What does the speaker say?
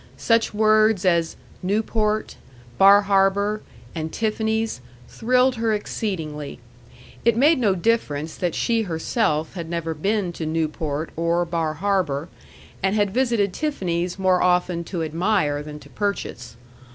Such words as Newport, Bar Harbor, and Tiffany's thrilled her exceedingly. It made no difference that she herself had never been to Newport or Bar Harbor, and had visited Tiffany's more often to admire than to purchase.